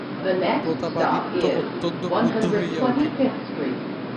প্রতাপাদিত্য অত্যন্ত ক্রুদ্ধ হইয়া উঠিলেন।